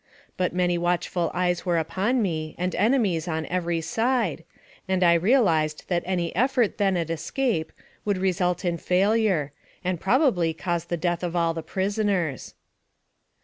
But many watchful eyes were upon me, and enemies on every side, and I realized that any effort then at escape would result in failure, and probably cause the death of all the prisoners.